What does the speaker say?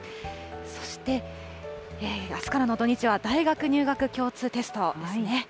そして、あすからの土日は大学入学共通テストですね。